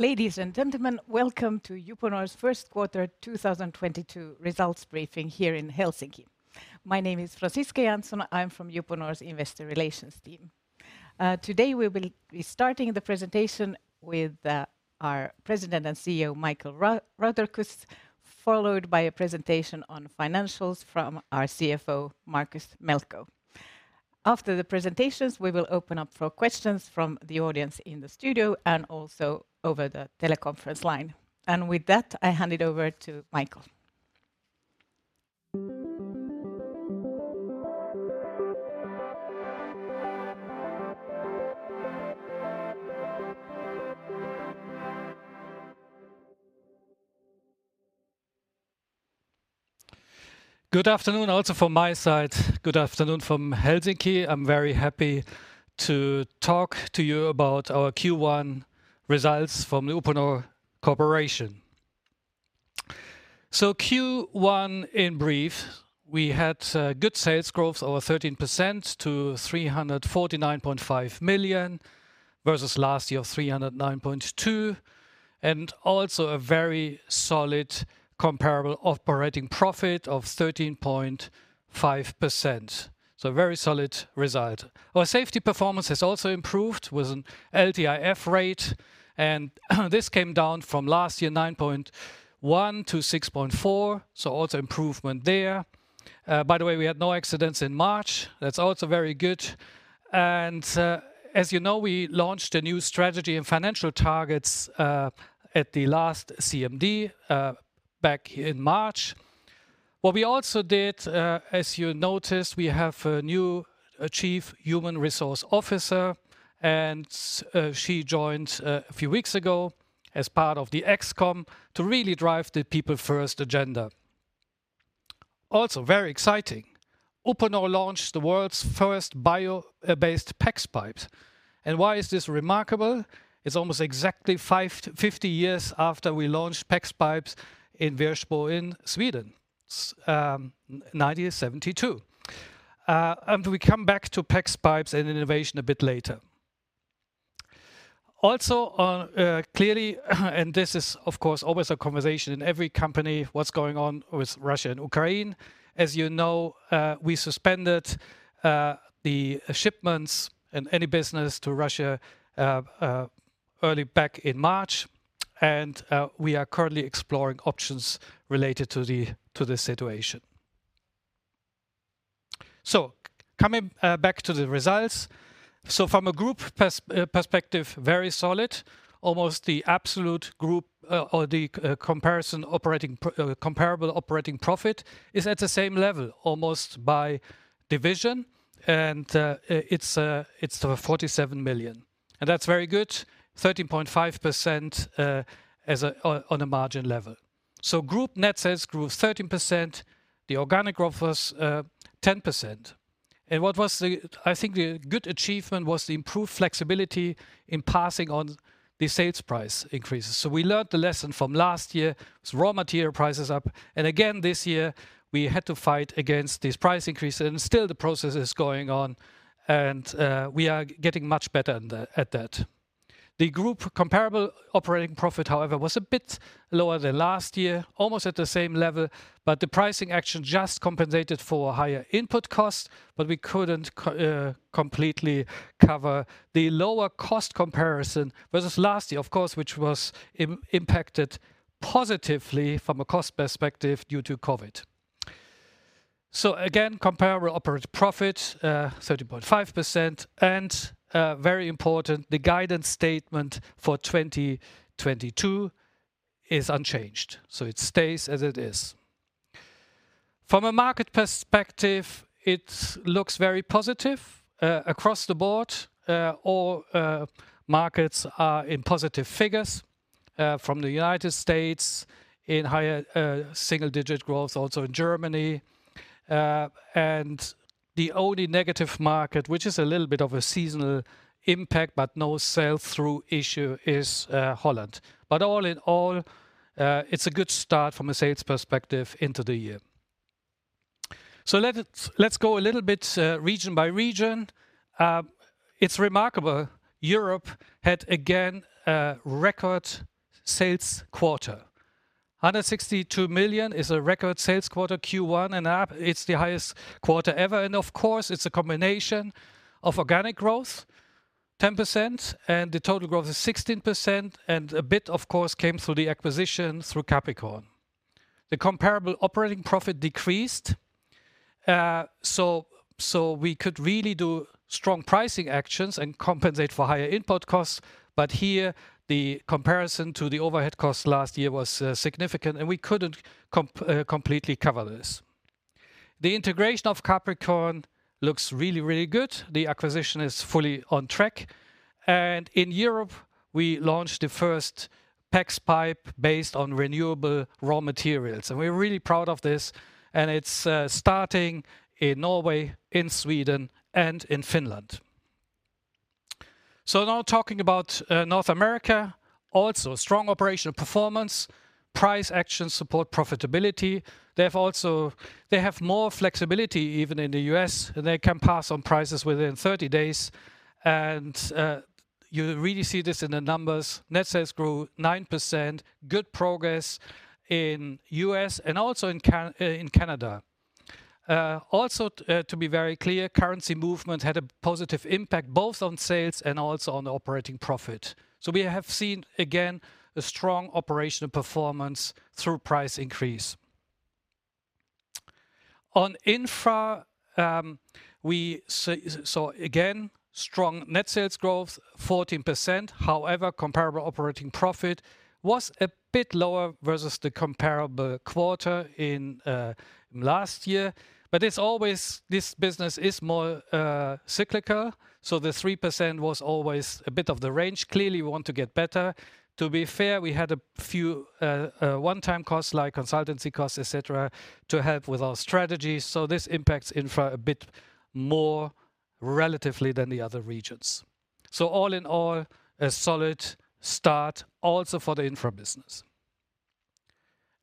Ladies and gentlemen, welcome to Uponor's first quarter 2022 results briefing here in Helsinki. My name is Franciska Janzon, I'm from Uponor's Investor Relations team. Today we'll be starting the presentation with our President and CEO, Michael Rauterkus, followed by a presentation on financials from our CFO, Markus Melkko. After the presentations, we will open up for questions from the audience in the studio and also over the teleconference line. With that, I hand it over to Michael. Good afternoon also from my side. Good afternoon from Helsinki. I'm very happy to talk to you about our Q1 results from the Uponor Corporation. Q1 in brief: we had good sales growth over 13% to 349.5 million, versus last year of 309.2 million, and also a very solid comparable operating profit of 13.5%. Very solid result. Our safety performance has also improved with an LTIF rate, and this came down from last year, 9.1-6.4, so also improvement there. By the way, we had no accidents in March. That's also very good. As you know, we launched a new strategy and financial targets at the last CMD back in March. What we also did, as you noticed, we have a new Chief Human Resource Officer, and she joined a few weeks ago as part of the ExCo to really drive the people first agenda. Also very exciting, Uponor launched the world's first bio-based PEX pipes. Why is this remarkable? It's almost exactly 50 years after we launched PEX pipes in Virsbo in Sweden, 1972. We come back to PEX pipes and innovation a bit later. Also, clearly, and this is, of course, always a conversation in every company, what's going on with Russia and Ukraine. As you know, we suspended the shipments and any business to Russia early back in March. We are currently exploring options related to the situation. Coming back to the results. From a group perspective, very solid. Almost the absolute group, or the comparable operating profit is at the same level, almost by division. It's 47 million, and that's very good. 13.5% on a margin level. Group net sales grew 13%. The organic growth was 10%. I think the good achievement was the improved flexibility in passing on the sales price increases. We learned the lesson from last year, with raw material prices up. Again this year, we had to fight against these price increases, and still the process is going on, and we are getting much better at that. The group comparable operating profit, however, was a bit lower than last year, almost at the same level, but the pricing action just compensated for higher input costs, but we couldn't completely cover the lower cost comparison versus last year, of course, which was impacted positively from a cost perspective due to COVID. Again, comparable operating profit, 13.5%. Very important, the guidance statement for 2022 is unchanged, so it stays as it is. From a market perspective, it looks very positive across the board. All markets are in positive figures, from the United States in higher single digit growth, also in Germany. The only negative market, which is a little bit of a seasonal impact, but no sell-through issue, is Holland. All in all, it's a good start from a sales perspective into the year. Let's go a little bit, region by region. It's remarkable, Europe had again a record sales quarter. 162 million is a record sales quarter, Q1, and it's the highest quarter ever. Of course, it's a combination of organic growth, 10%, and the total growth is 16%, and a bit, of course, came through the acquisition through Capricorn. The comparable operating profit decreased. We could really do strong pricing actions and compensate for higher input costs. Here the comparison to the overhead costs last year was significant, and we couldn't completely cover this. The integration of Capricorn looks really, really good. The acquisition is fully on track. In Europe, we launched the first PEX pipe based on renewable raw materials, and we're really proud of this, and it's starting in Norway, in Sweden, and in Finland. Now talking about North America, also strong operational performance. Price actions support profitability. They have more flexibility even in the U.S., and they can pass on prices within 30 days. You really see this in the numbers. Net sales grew 9%. Good progress in U.S. and also in Canada. To be very clear, currency movement had a positive impact both on sales and also on the operating profit. We have seen, again, a strong operational performance through price increase. On Infra, we saw, again, strong net sales growth, 14%. However, comparable operating profit was a bit lower versus the comparable quarter in last year. It's always, this business is more cyclical, so the 3% was always a bit of the range. Clearly, we want to get better. To be fair, we had a few one-time costs like consultancy costs, et cetera, to help with our strategy. This impacts Infra a bit more relatively than the other regions. All in all, a solid start also for the Infra business.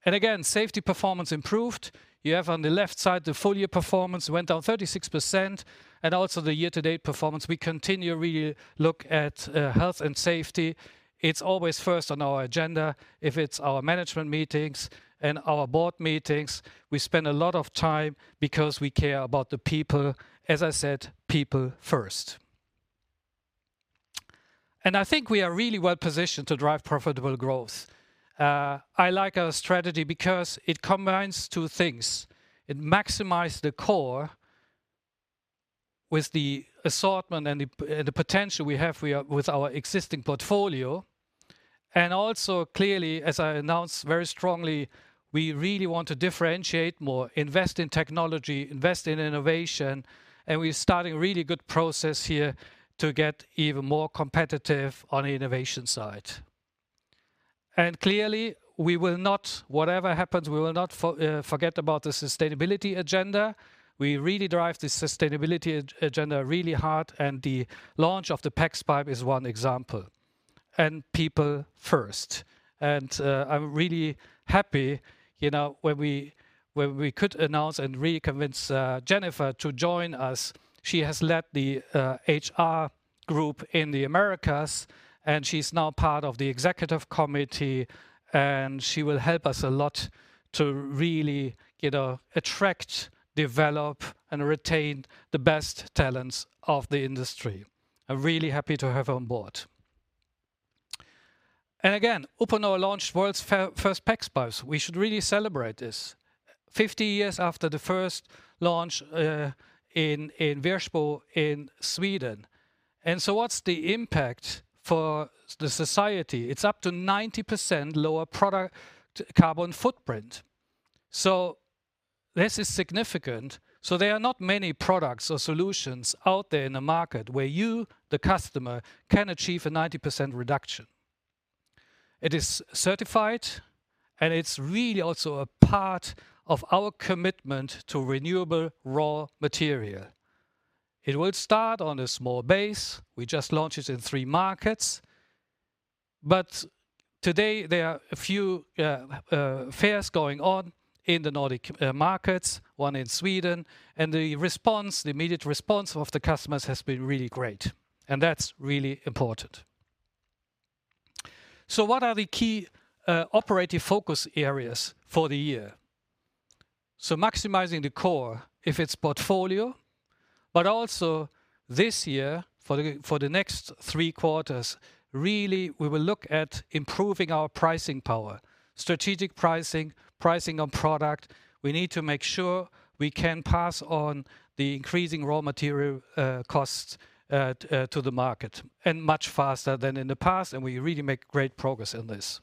Again, safety performance improved. You have on the left side the full-year performance went down 36%, and also the year-to-date performance. We continue, really look at health and safety. It's always first on our agenda. If it's our management meetings and our board meetings, we spend a lot of time because we care about the people. As I said, people first. I think we are really well positioned to drive profitable growth. I like our strategy because it combines two things. It maximizes the core with the assortment and the potential we have with our existing portfolio. Clearly, as I announced very strongly, we really want to differentiate more, invest in technology, invest in innovation, and we're starting a really good process here to get even more competitive on the innovation side. Clearly, we will not. Whatever happens, we will not forget about the sustainability agenda. We really drive the sustainability agenda really hard, and the launch of the PEX pipe is one example, and people first. I'm really happy, you know, when we could announce and reconvince Jennifer to join us. She has led the HR group in the Americas, and she's now part of the executive committee, and she will help us a lot to really, you know, attract, develop, and retain the best talents of the industry. I'm really happy to have her on board. Again, Uponor launched world's first PEX pipes. We should really celebrate this. 50 years after the first launch in Virsbo in Sweden. What's the impact for the society? It's up to 90% lower product to carbon footprint. This is significant. There are not many products or solutions out there in the market where you, the customer, can achieve a 90% reduction. It is certified, and it's really also a part of our commitment to renewable raw material. It will start on a small base. We just launched it in three markets. Today, there are a few fairs going on in the Nordic markets, one in Sweden, and the response, the immediate response of the customers has been really great, and that's really important. What are the key operative focus areas for the year? Maximizing the core, if it's portfolio, but also this year, for the next three quarters, really, we will look at improving our pricing power. Strategic pricing on product. We need to make sure we can pass on the increasing raw material costs to the market and much faster than in the past, and we really make great progress in this.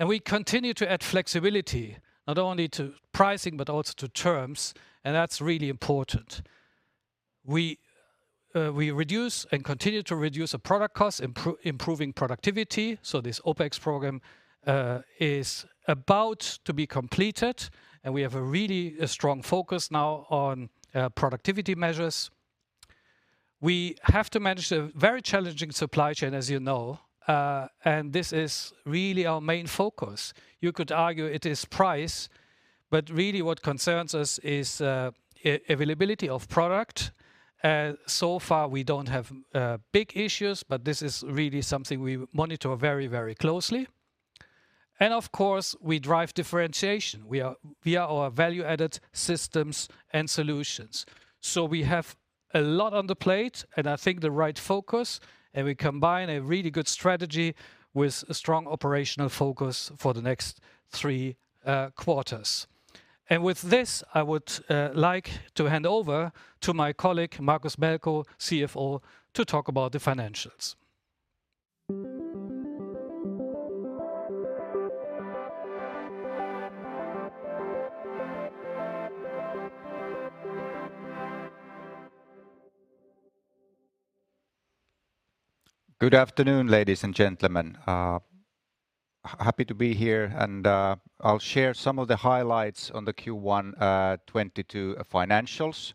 We continue to add flexibility, not only to pricing, but also to terms, and that's really important. We reduce and continue to reduce our product costs, improving productivity, so this OpEx program is about to be completed, and we have a really strong focus now on productivity measures. We have to manage a very challenging supply chain, as you know, and this is really our main focus. You could argue it is price, but really what concerns us is availability of product. So far, we don't have big issues, but this is really something we monitor very, very closely. Of course, we drive differentiation. We are via our value-added systems and solutions. We have a lot on the plate, and I think the right focus, and we combine a really good strategy with a strong operational focus for the next three quarters. With this, I would like to hand over to my colleague, Markus Melkko, CFO, to talk about the financials. Good afternoon, ladies and gentlemen. Happy to be here, and I'll share some of the highlights on the Q1 2022 financials.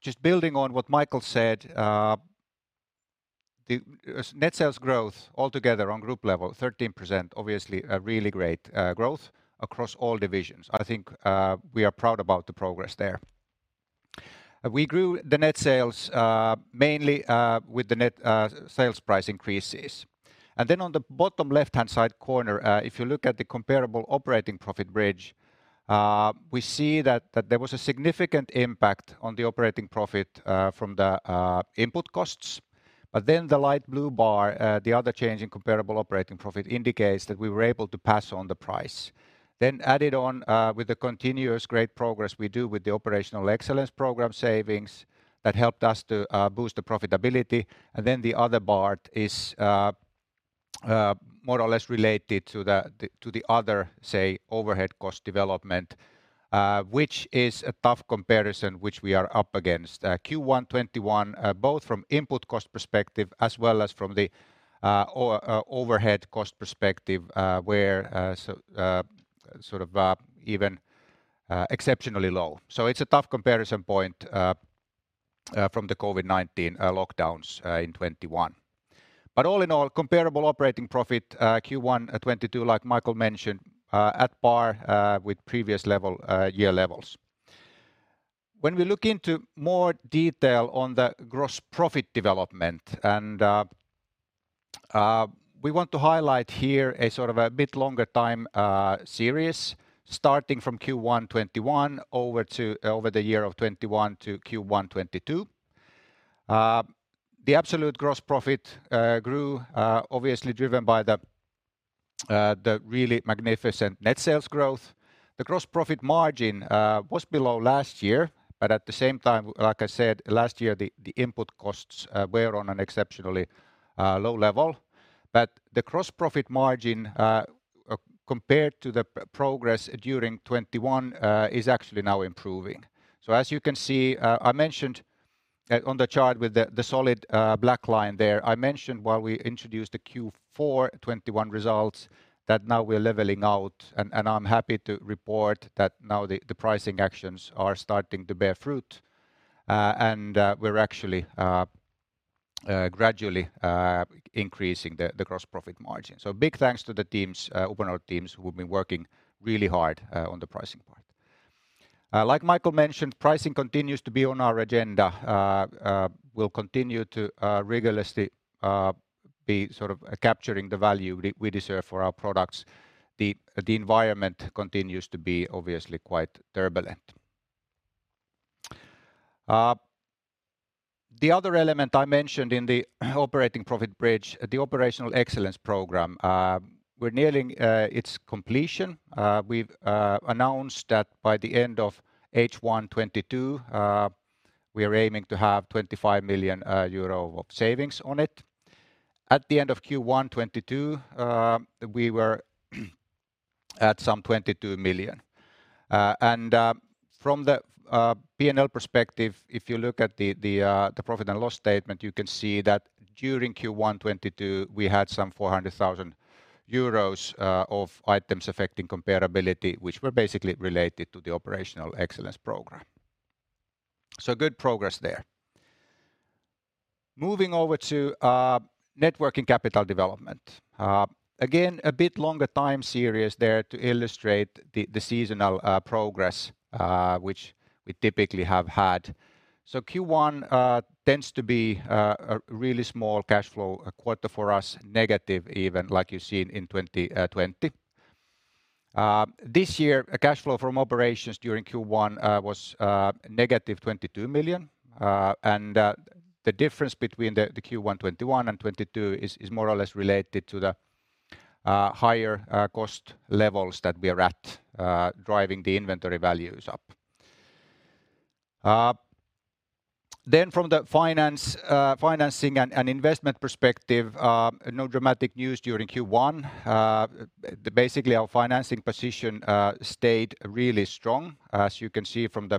Just building on what Michael said, the net sales growth altogether on group level 13% obviously a really great growth across all divisions. I think we are proud about the progress there. We grew the net sales mainly with the net sales price increases. On the bottom left-hand side corner, if you look at the comparable operating profit bridge, we see that there was a significant impact on the operating profit from the input costs. The light blue bar, the other change in comparable operating profit, indicates that we were able to pass on the price. Added on with the continuous great progress we do with the operational excellence program savings that helped us to boost the profitability. Then the other part is more or less related to the other, say, overhead cost development, which is a tough comparison which we are up against. Q1 2021 both from input cost perspective as well as from the overhead cost perspective, where so sort of even exceptionally low. It's a tough comparison point from the COVID-19 lockdowns in 2021. All in all, comparable operating profit Q1 2022, like Michael mentioned, at par with previous level year levels. When we look into more detail on the gross profit development, we want to highlight here a sort of a bit longer time series starting from Q1 2021 over to the year of 2021 to Q1 2022. The absolute gross profit grew, obviously driven by the really magnificent net sales growth. The gross profit margin was below last year, but at the same time, like I said, last year the input costs were on an exceptionally low level. The gross profit margin compared to the progress during 2021 is actually now improving. As you can see, I mentioned on the chart with the solid black line there, I mentioned while we introduced the Q4 2021 results that now we're leveling out and I'm happy to report that now the pricing actions are starting to bear fruit and we're actually gradually increasing the gross profit margin. Big thanks to the Uponor teams who've been working really hard on the pricing part. Like Michael mentioned, pricing continues to be on our agenda. We'll continue to rigorously be sort of capturing the value we deserve for our products. The environment continues to be obviously quite turbulent. The other element I mentioned in the operating profit bridge, the Operational Excellence program. We're nearing its completion. We've announced that by the end of H1 2022, we are aiming to have 25 million euro of savings on it. At the end of Q1 2022, we were at some 22 million. From the P&L perspective, if you look at the profit and loss statement, you can see that during Q1 2022, we had some 400,000 euros of items affecting comparability, which were basically related to the operational excellence program. Good progress there. Moving over to net working capital development. Again, a bit longer time series there to illustrate the seasonal progress which we typically have had. Q1 tends to be a really small cash flow quarter for us, negative even like you seen in 2020. This year, cash flow from operations during Q1 was -22 million. The difference between the Q1 2021 and 2022 is more or less related to the higher cost levels that we are at, driving the inventory values up. From the financing and investment perspective, no dramatic news during Q1. Basically our financing position stayed really strong. As you can see from the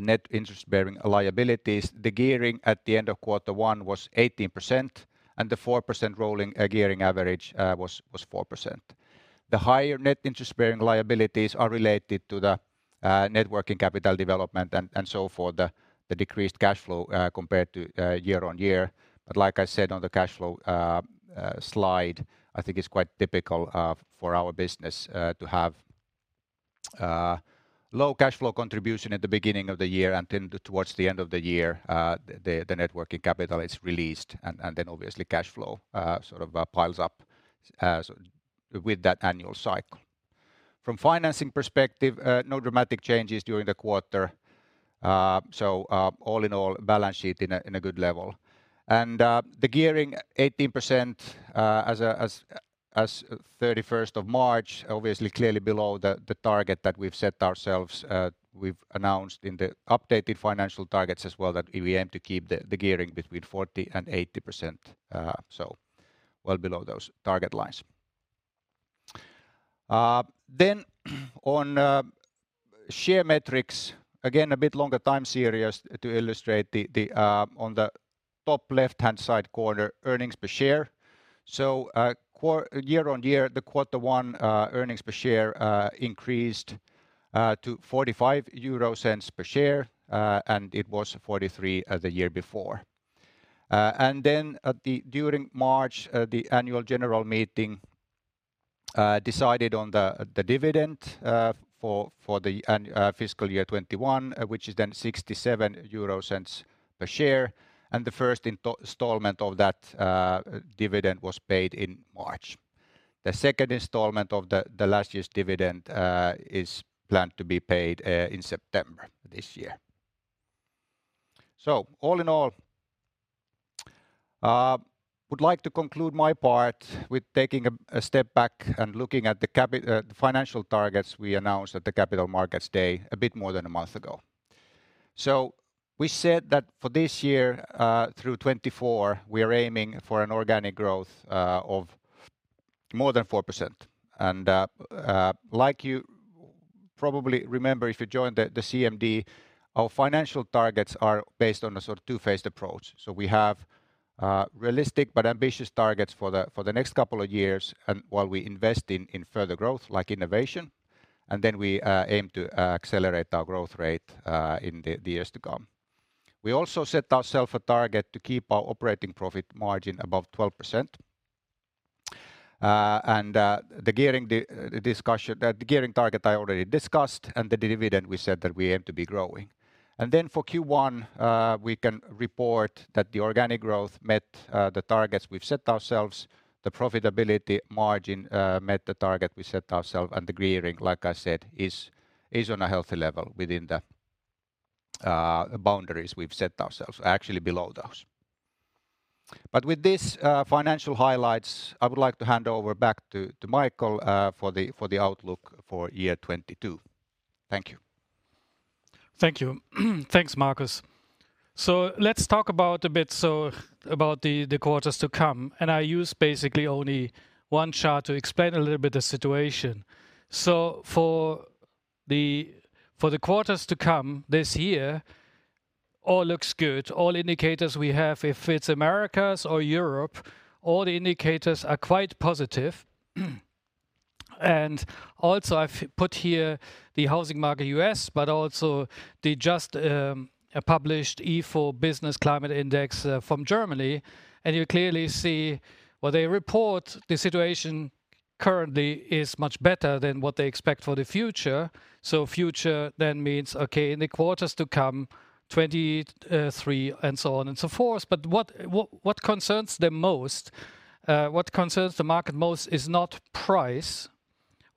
net interest-bearing liabilities, the gearing at the end of quarter one was 18%, and the 4% rolling gearing average was 4%. The higher net interest-bearing liabilities are related to the net working capital development and the decreased cash flow compared to year-on-year. Like I said on the cash flow slide, I think it's quite typical for our business to have low cash flow contribution at the beginning of the year and then towards the end of the year, the net working capital is released and then obviously cash flow sort of piles up, as with that annual cycle. From financing perspective, no dramatic changes during the quarter. All in all, balance sheet in a good level. The gearing 18% as of 31st of March, obviously clearly below the target that we've set ourselves. We've announced in the updated financial targets as well that we aim to keep the gearing between 40% and 80%, so well below those target lines. On share metrics, again, a bit longer time series to illustrate the on the top left-hand side corner, earnings per share. Year-on-year, the quarter one earnings per share increased to 0.45 per share, and it was 0.43 the year before. During March, the annual general meeting decided on the dividend for the fiscal year 2021, which is then 0.67 a share. The first installment of that dividend was paid in March. The second installment of the last year's dividend is planned to be paid in September this year. All in all, would like to conclude my part with taking a step back and looking at the financial targets we announced at the Capital Markets Day a bit more than a month ago. We said that for this year, through 2024, we are aiming for an organic growth of more than 4%. Like you probably remember, if you joined the CMD, our financial targets are based on a sort of two-phased approach. We have realistic but ambitious targets for the next couple of years and while we invest in further growth, like innovation, and then we aim to accelerate our growth rate in the years to come. We also set ourself a target to keep our operating profit margin above 12%. The gearing discussion, the gearing target I already discussed, and the dividend we said that we aim to be growing. For Q1, we can report that the organic growth met the targets we've set ourselves, the profitability margin met the target we set ourselves, and the gearing, like I said, is on a healthy level within the boundaries we've set ourselves. Actually below those. With this financial highlights, I would like to hand over back to Michael for the outlook for year 2022. Thank you. Thank you. Thanks, Markus. Let's talk about the quarters to come, and I use basically only one chart to explain a little bit the situation. For the quarters to come this year, all looks good. All indicators we have, if it's Americas or Europe, all the indicators are quite positive. Also I've put here the US housing market, but also the just published ifo Business Climate Index from Germany. You clearly see where they report the situation currently is much better than what they expect for the future. Future then means, okay, in the quarters to come, 2023 and so on and so forth. What concerns them most, what concerns the market most is not price.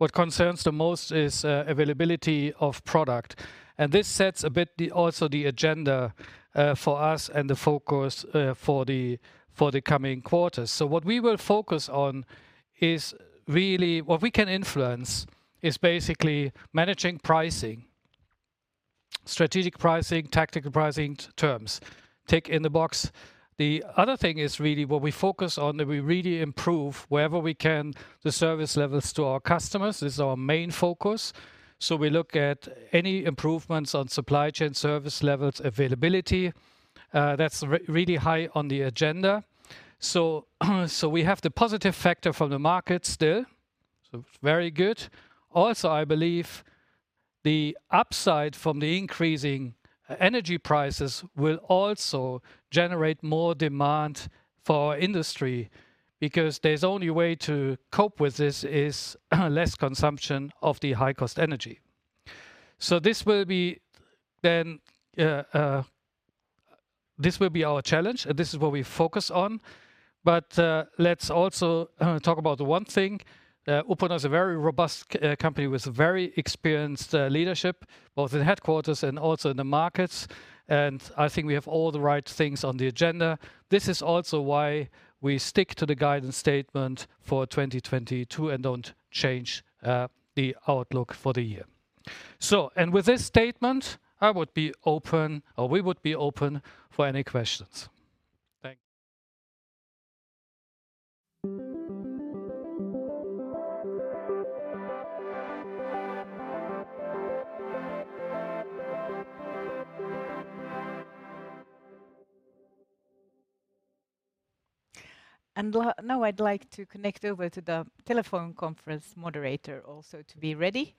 What concerns the most is availability of product. This sets a bit the agenda, also the focus for the coming quarters. What we will focus on is really what we can influence, is basically managing pricing, strategic pricing, tactical pricing terms. Tick in the box. The other thing is really what we focus on, that we really improve wherever we can the service levels to our customers. This is our main focus. We look at any improvements on supply chain service levels, availability. That's really high on the agenda. We have the positive factor from the market still, so very good. Also, I believe the upside from the increasing energy prices will also generate more demand for industry, because the only way to cope with this is less consumption of the high-cost energy. This will be our challenge, and this is what we focus on. Let's also talk about one thing. Uponor is a very robust company with a very experienced leadership, both in headquarters and also in the markets, and I think we have all the right things on the agenda. This is also why we stick to the guidance statement for 2022 and don't change the outlook for the year. With this statement, I would be open, or we would be open for any questions. Thank you. Now I'd like to connect over to the telephone conference moderator also to be ready.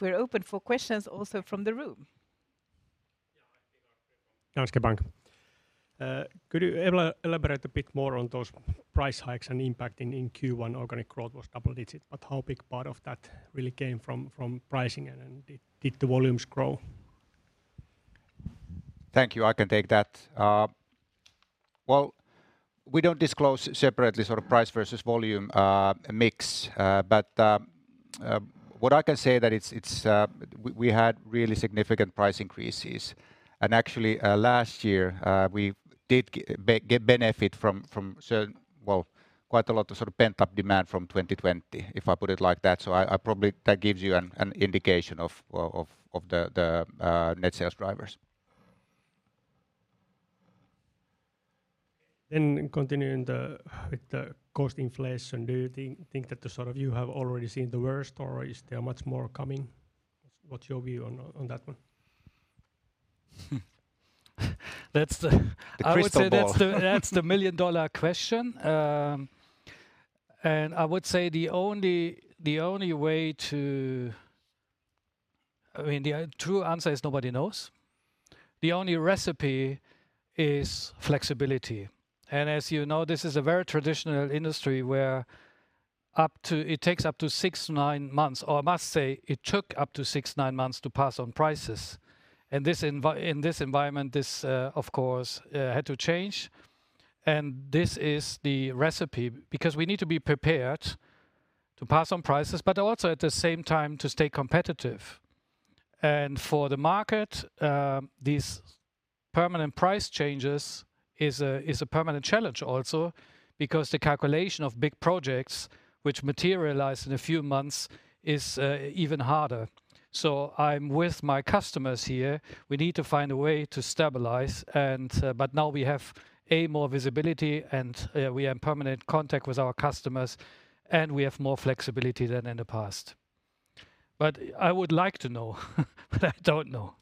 We're open for questions also from the room. Yeah. Hi from Danske Bank. Could you elaborate a bit more on those price hikes and impact in Q1 organic growth was double digits, but how big part of that really came from pricing and did the volumes grow? Thank you. I can take that. Well, we don't disclose separately sort of price versus volume, mix. What I can say is that we had really significant price increases. Actually, last year, we did get benefit from certain, well, quite a lot of sort of pent-up demand from 2020, if I put it like that. That gives you an indication of the net sales drivers. Continuing with the cost inflation, do you think you have already seen the worst, or is there much more coming? What's your view on that one? That's the— The crystal ball. I would say that's the million-dollar question. I would say the only true answer is nobody knows. The only recipe is flexibility. As you know, this is a very traditional industry where it takes up to 6, 9 months, or I must say it took up to 6, 9 months to pass on prices. In this environment, this of course had to change, and this is the recipe. Because we need to be prepared to pass on prices, but also at the same time to stay competitive. For the market, these permanent price changes is a permanent challenge also because the calculation of big projects which materialize in a few months is even harder. I'm with my customers here. We need to find a way to stabilize, but now we have more visibility, and we are in permanent contact with our customers, and we have more flexibility than in the past. I would like to know, but I don't know.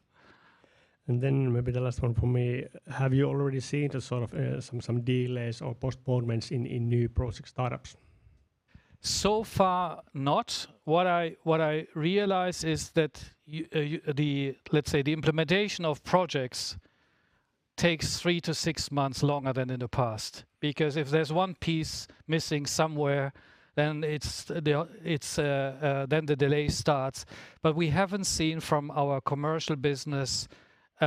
Then maybe the last one from me. Have you already seen the sort of, some delays or postponements in new project startups? So far not. What I realize is that, let's say, the implementation of projects takes 3 to 6 months longer than in the past. Because if there's one piece missing somewhere, then the delay starts. We haven't seen from our commercial business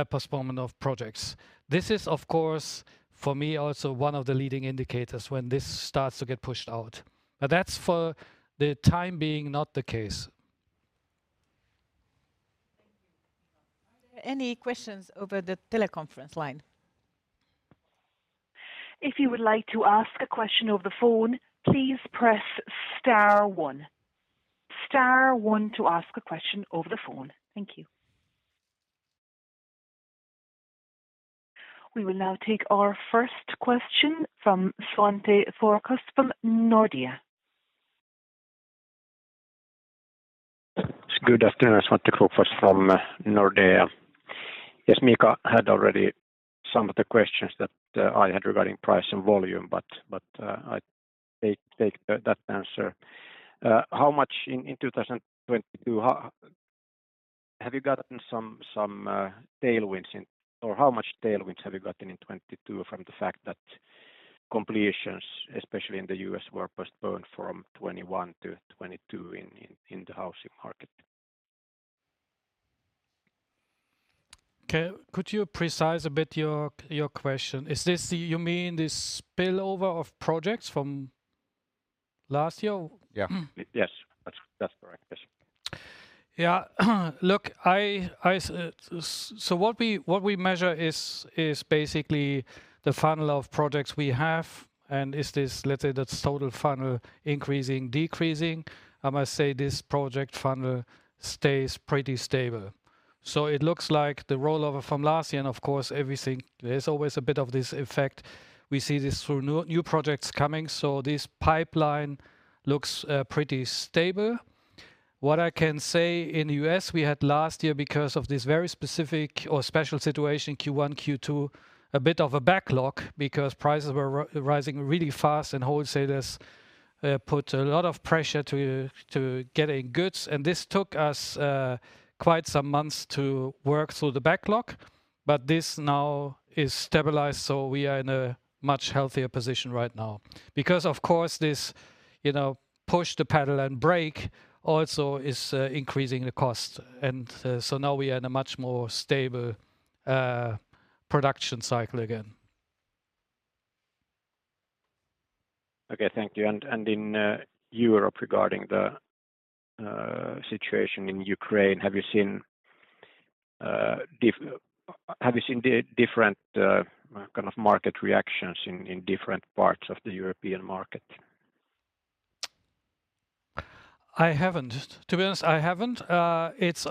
a postponement of projects. This is, of course, for me also one of the leading indicators when this starts to get pushed out. That's for the time being not the case. Thank you. Are there any questions over the teleconference line? If you would like to ask a question over the phone, please press star one. Star one to ask a question over the phone. Thank you. We will now take our first question from Svante Krokfors from Nordea. Good afternoon. Svante Krokfors from Nordea. Yes, Mika had already some of the questions that I had regarding price and volume, but I take that answer. How much in 2022 have you gotten some tailwinds or how much tailwinds have you gotten in 2022 from the fact that completions, especially in the U.S., were postponed from 2021 to 2022 in the housing market? Could you precise a bit your question? Is this what you mean the spillover of projects from last year? Yeah. Mm-hmm. Yes. That's correct. Yes. Yeah. Look, so what we measure is basically the funnel of projects we have and is this, let's say, that total funnel increasing, decreasing. I must say this project funnel stays pretty stable. It looks like the rollover from last year and, of course, everything, there's always a bit of this effect. We see this through new projects coming, so this pipeline looks pretty stable. What I can say in the US, we had last year, because of this very specific or special situation, Q1, Q2, a bit of a backlog because prices were rising really fast and wholesalers put a lot of pressure to getting goods, and this took us quite some months to work through the backlog. This now is stabilized, so we are in a much healthier position right now. Because of course this, you know, push the pedal and brake also is, increasing the cost. Now we are in a much more stable, production cycle again. Okay. Thank you. In Europe, regarding the situation in Ukraine, have you seen the different kind of market reactions in different parts of the European market? I haven't. To be honest, I haven't. It's,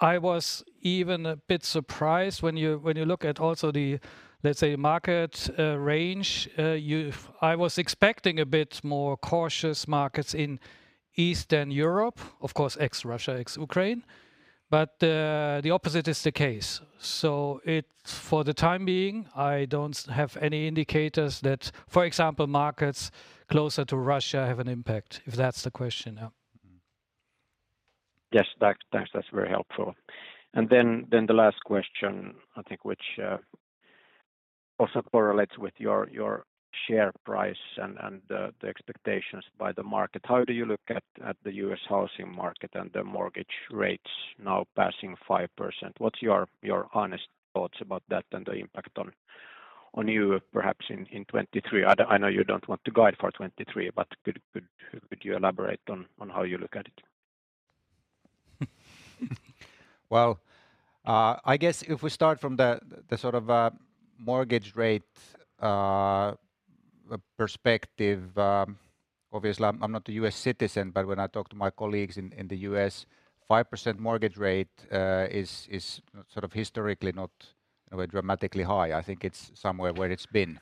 I was even a bit surprised when you look at also the, let's say, market range. I was expecting a bit more cautious markets in Eastern Europe, of course, ex-Russia, ex-Ukraine. The opposite is the case. For the time being, I don't have any indicators that, for example, markets closer to Russia have an impact, if that's the question. Yeah. That's very helpful. The last question, I think, which also correlates with your share price and the expectations by the market. How do you look at the U.S. housing market and the mortgage rates now passing 5%? What's your honest thoughts about that and the impact on you perhaps in 2023? I know you don't want to guide for 2023, but could you elaborate on how you look at it? Well, I guess if we start from the sort of mortgage rate perspective, obviously I'm not a U.S. citizen, but when I talk to my colleagues in the U.S., 5% mortgage rate is sort of historically not dramatically high. I think it's somewhere where it's been.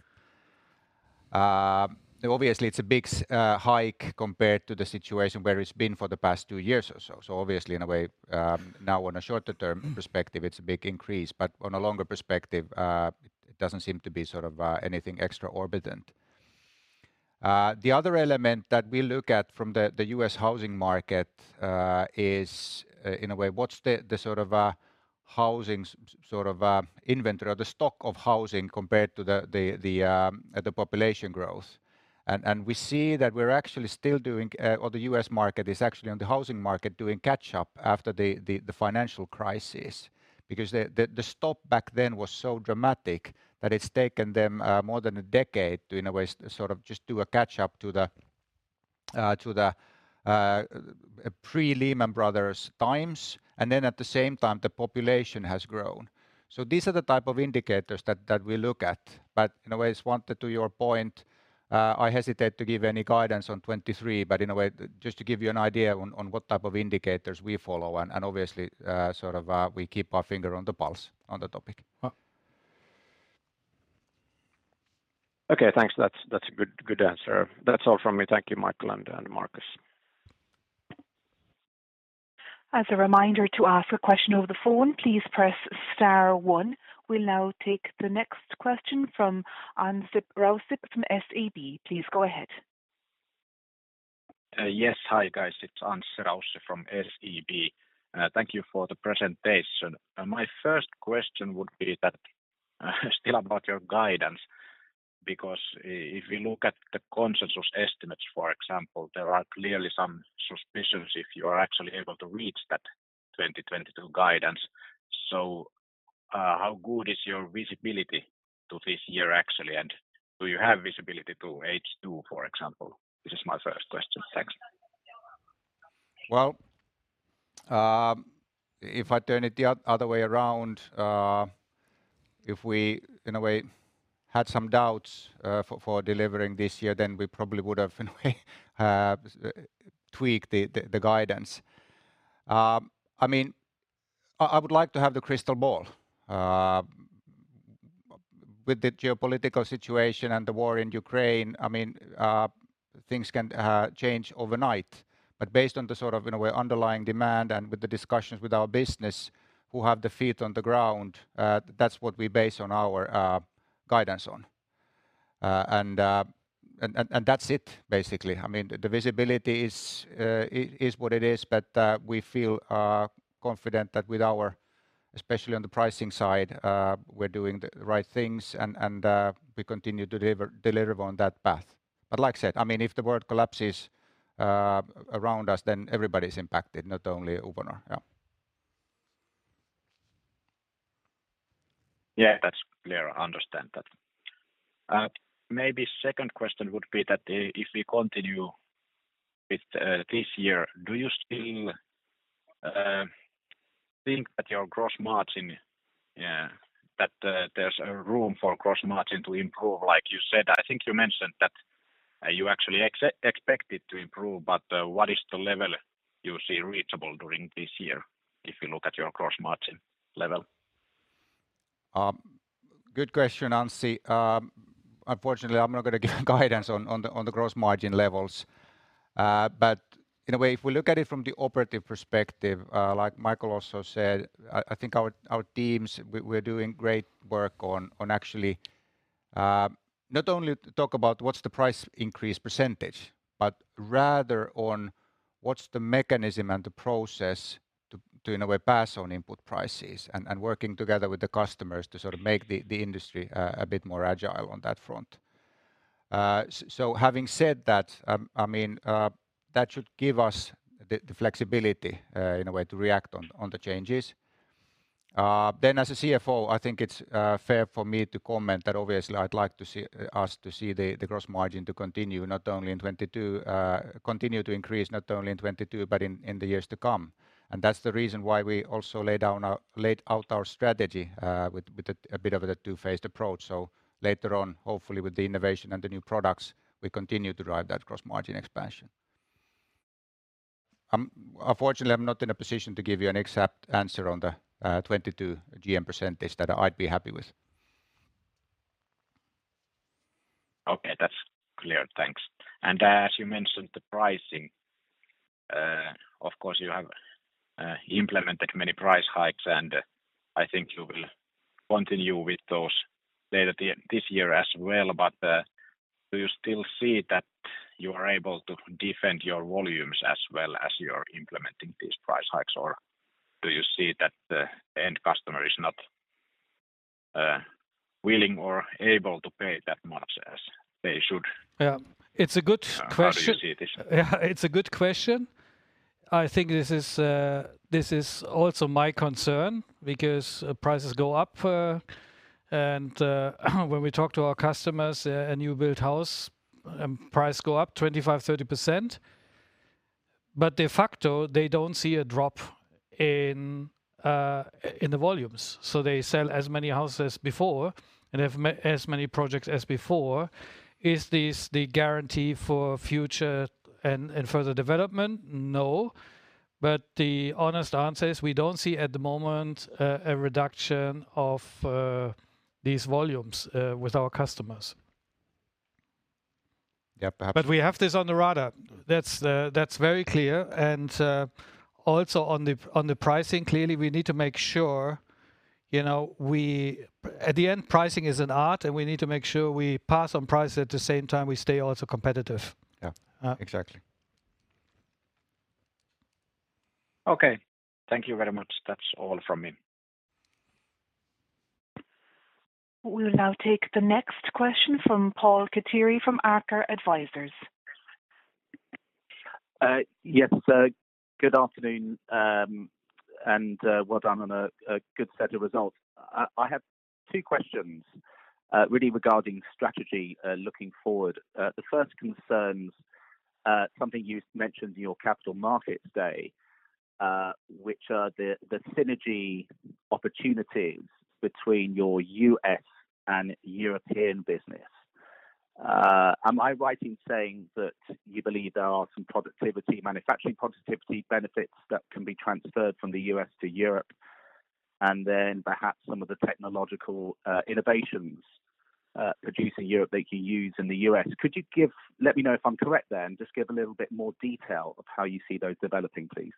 Obviously it's a big hike compared to the situation where it's been for the past two years or so. Obviously, in a way, now on a shorter-term perspective, it's a big increase, but on a longer perspective, it doesn't seem to be sort of anything exorbitant. The other element that we look at from the U.S. housing market is, in a way, what's the sort of housing inventory or the stock of housing compared to the population growth. We see that the US housing market is actually doing catch-up after the financial crisis because the drop back then was so dramatic that it's taken them more than a decade to, in a way, sort of just do a catch-up to the pre-Lehman Brothers times. Then at the same time, the population has grown. These are the type of indicators that we look at. In a way, Svante, to your point, I hesitate to give any guidance on 2023, but in a way, just to give you an idea on what type of indicators we follow and obviously sort of we keep our finger on the pulse on the topic. Well. Okay, thanks. That's a good answer. That's all from me. Thank you, Michael and Markus. As a reminder, to ask a question over the phone, please press star one. We'll now take the next question from Anssi Raussi from SEB. Please go ahead. Yes. Hi, guys. It's Anssi Raussi from SEB. Thank you for the presentation. My first question would be that still about your guidance, because if you look at the consensus estimates, for example, there are clearly some suspicions if you are actually able to reach that 2022 guidance. How good is your visibility to this year actually, and do you have visibility to H2, for example? This is my first question. Thanks. Well, if I turn it the other way around, if we, in a way, had some doubts for delivering this year, then we probably would have in a way tweaked the guidance. I mean, I would like to have the crystal ball. With the geopolitical situation and the war in Ukraine, I mean, things can change overnight. Based on the sort of in a way underlying demand and with the discussions with our business who have the feet on the ground, that's what we base our guidance on. That's it basically. I mean, the visibility is what it is, but we feel confident that with our. Especially on the pricing side, we're doing the right things and we continue to deliver on that path. Like I said, I mean, if the world collapses around us, then everybody's impacted, not only Uponor. Yeah. Yeah, that's clear. I understand that. Maybe second question would be that if we continue with this year, do you still think that your gross margin, yeah, that there's room for gross margin to improve? Like you said, I think you mentioned that you actually expect it to improve, but what is the level you see reachable during this year if you look at your gross margin level? Good question, Anssi. Unfortunately, I'm not gonna give guidance on the gross margin levels. In a way, if we look at it from the operative perspective, like Michael also said, I think our teams, we're doing great work on actually not only to talk about what's the price increase percentage, but rather on what's the mechanism and the process to in a way pass on input prices and working together with the customers to sort of make the industry a bit more agile on that front. Having said that, I mean, that should give us the flexibility in a way to react on the changes. As a CFO, I think it's fair for me to comment that obviously I'd like to see us to see the gross margin to continue to increase not only in 2022 but in the years to come. That's the reason why we also laid out our strategy with a bit of a two-phased approach. Later on, hopefully with the innovation and the new products, we continue to drive that gross margin expansion. Unfortunately, I'm not in a position to give you an exact answer on the 2022 GM percentage that I'd be happy with. Okay, that's clear. Thanks. As you mentioned, the pricing, of course you have implemented many price hikes, and I think you will continue with those later this year as well. Do you still see that you are able to defend your volumes as well as you're implementing these price hikes, or do you see that the end customer is not willing or able to pay that much as they should? Yeah. It's a good question. How do you see this? Yeah. It's a good question. I think this is also my concern because prices go up, and when we talk to our customers, a new built house price go up 25%, 30%. De facto, they don't see a drop in the volumes. They sell as many houses before and have as many projects as before. Is this the guarantee for future and further development? No. The honest answer is we don't see at the moment a reduction of these volumes with our customers. Yeah, perhaps. We have this on the radar. That's very clear. Also on the pricing, clearly we need to make sure, you know, at the end, pricing is an art, and we need to make sure we pass on price, at the same time we stay also competitive. Yeah. Uh. Exactly. Okay. Thank you very much. That's all from me. We will now take the next question from Paul Catiri from Arker Advisors. Yes. Good afternoon. Well done on a good set of results. I have two questions, really regarding strategy, looking forward. The first concerns something you mentioned in your Capital Markets Day, which are the synergy opportunities between your U.S. and European business. Am I right in saying that you believe there are some productivity, manufacturing productivity benefits that can be transferred from the U.S. to Europe, and then perhaps some of the technological innovations produced in Europe they can use in the U.S.? Let me know if I'm correct there, and just give a little bit more detail of how you see those developing, please.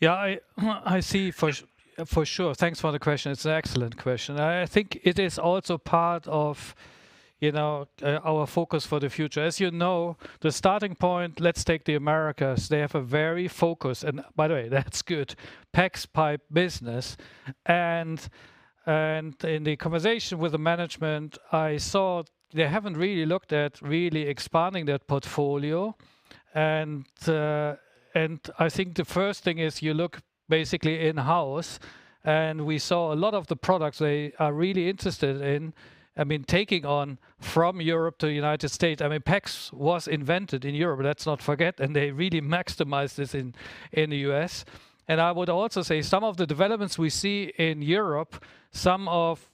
Yeah. I see for sure. Thanks for the question. It's an excellent question. I think it is also part of, you know, our focus for the future. As you know, the starting point, let's take the Americas, they have a very focused, and by the way, that's good, PEX pipe business. In the conversation with the management, I saw they haven't really looked at really expanding that portfolio. I think the first thing is you look basically in-house. We saw a lot of the products they are really interested in, I mean, taking on from Europe to United States. I mean, PEX was invented in Europe, let's not forget, and they really maximized this in the U.S. I would also say some of the developments we see in Europe, some of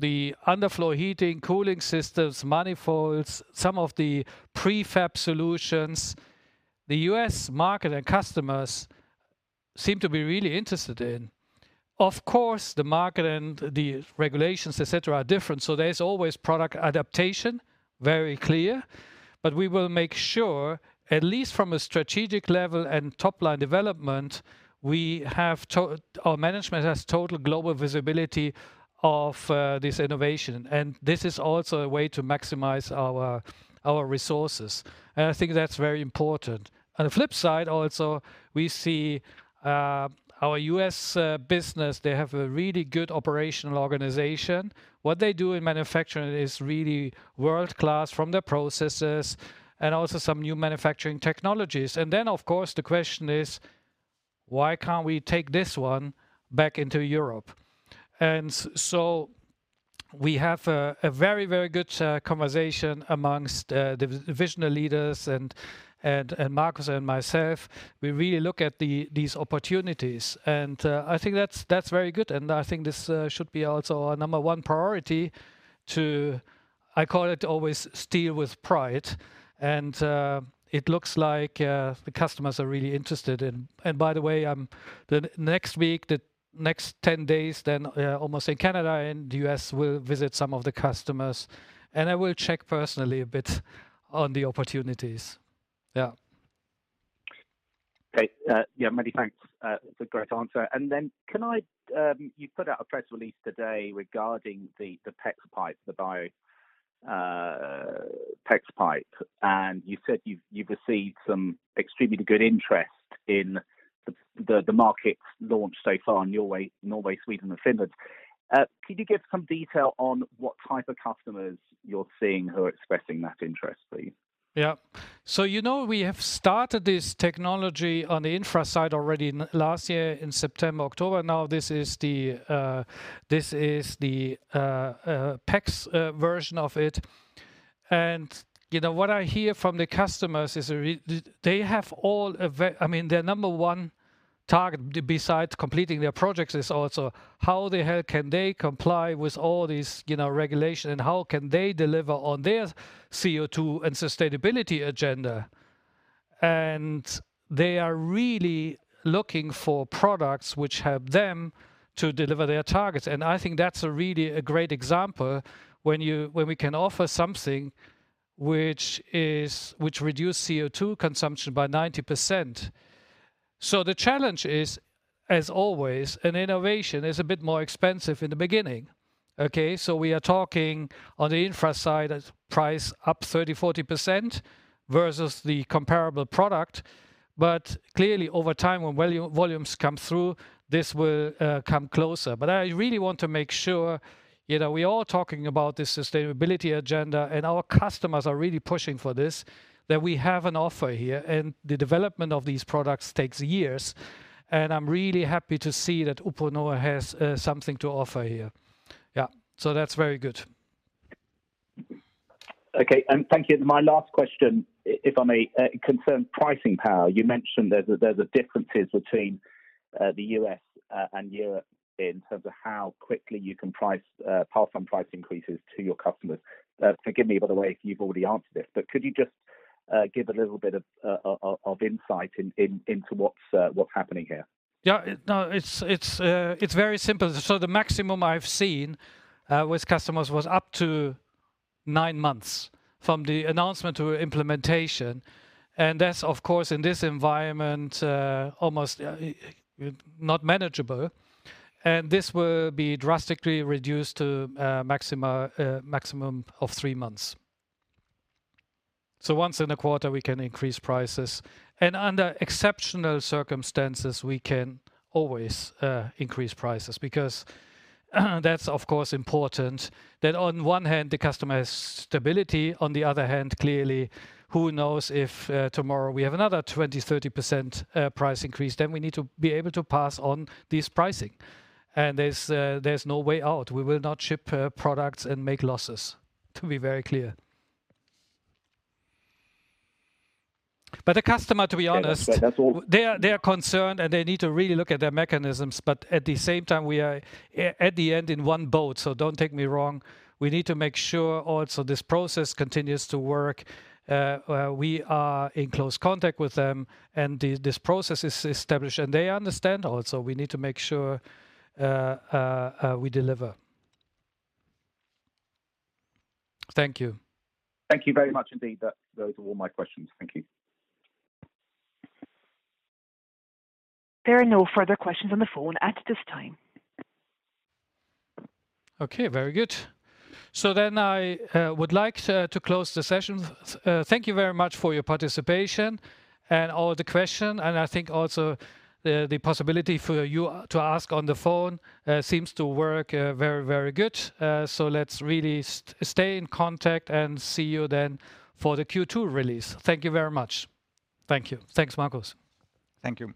the underfloor heating, cooling systems, manifolds, some of the prefab solutions, the U.S. market and customers seem to be really interested in. Of course, the market and the regulations, et cetera, are different, so there's always product adaptation, very clear. We will make sure, at least from a strategic level and top-line development, our management has total global visibility of this innovation. This is also a way to maximize our resources. I think that's very important. On the flip side, also, we see our U.S. business, they have a really good operational organization. What they do in manufacturing is really world-class from their processes and also some new manufacturing technologies. Then, of course, the question is, why can't we take this one back into Europe? So we have a very good conversation among the divisional leaders and Markus and myself. We really look at these opportunities. I think that's very good. I think this should be also our number one priority to, I call it, always steal with pride. It looks like the customers are really interested in. By the way, the next week, the next ten days then, also in Canada and U.S., we'll visit some of the customers, and I will check personally a bit on the opportunities. Yeah. Great. Many thanks. It's a great answer. Can I, You put out a press release today regarding the PEX pipe, the bio PEX pipe. You said you've received some extremely good interest in the market launch so far in Norway, Sweden, and Finland. Could you give some detail on what type of customers you're seeing who are expressing that interest, please? Yeah. You know, we have started this technology on the infra side already last year in September, October. Now this is the PEX version of it. You know, what I hear from the customers is I mean, their number one target besides completing their projects is also how the hell can they comply with all these, you know, regulation, and how can they deliver on their CO2 and sustainability agenda. They are really looking for products which help them to deliver their targets. I think that's really a great example when we can offer something which reduces CO2 consumption by 90%. The challenge is, as always, an innovation is a bit more expensive in the beginning, okay? We are talking on the infra side as price up 30%, 40% versus the comparable product. Clearly, over time, when volumes come through, this will come closer. I really want to make sure, you know, we are all talking about this sustainability agenda, and our customers are really pushing for this, that we have an offer here. The development of these products takes years, and I'm really happy to see that Uponor has something to offer here. Yeah. That's very good. Okay. Thank you. My last question, if I may, concerns pricing power. You mentioned there's a difference between the U.S. and Europe in terms of how quickly you can price pass on price increases to your customers. Forgive me by the way if you've already answered this, but could you just give a little bit of insight into what's happening here? No, it's very simple. The maximum I've seen with customers was up to nine months from the announcement to implementation and that's of course in this environment almost not manageable. This will be drastically reduced to maximum of three months. Once in a quarter we can increase prices. Under exceptional circumstances we can always increase prices because that's of course important that on one hand the customer has stability, on the other hand, clearly, who knows if tomorrow we have another 20, 30% price increase, then we need to be able to pass on this pricing. There's no way out. We will not ship products and make losses, to be very clear. The customer, to be honest. Yeah. No, that's all. They are concerned and they need to really look at their mechanisms. At the same time we are all in one boat. Don't get me wrong. We need to make sure also this process continues to work. We are in close contact with them and this process is established and they understand also we need to make sure we deliver. Thank you. Thank you very much indeed. That, those are all my questions. Thank you. There are no further questions on the phone at this time. Okay, very good. I would like to close the session. Thank you very much for your participation and all the question. I think also the possibility for you to ask on the phone seems to work very, very good. Let's really stay in contact and see you then for the Q2 release. Thank you very much. Thank you. Thanks, Markus. Thank you.